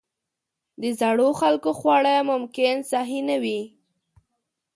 د زړو خلکو خواړه ممکن صحي نه وي.